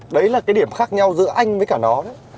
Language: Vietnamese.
đấy là cái điểm khác nhau giữa anh với cả nó đấy